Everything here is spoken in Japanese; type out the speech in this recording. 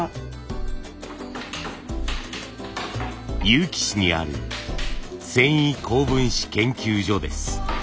結城市にある繊維高分子研究所です。